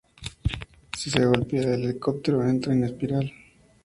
Si se golpea, el helicóptero entra en espiral.